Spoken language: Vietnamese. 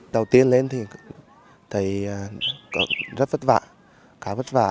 đầu tiên lên thì thấy rất vất vả khá vất vả